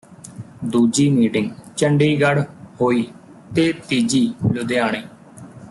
ਦੂਜੀ ਮੀਟਿੰਗ ਚੰਡੀਗੜ੍ਹ ਹੋਈ ਤੇ ਤੀਜੀ ਲੁਧਿਆਣੇ